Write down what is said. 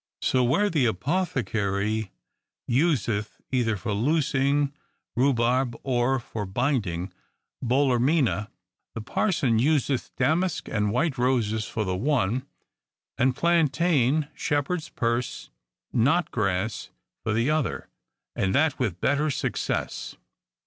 So, where the apothecary useth, either for loosing, rhubarb ; or for binding, bolearmena ; the parson useth damask or white roses for the one, and plaintain, shepherds purse, knot grass, for the other ; and that with better success.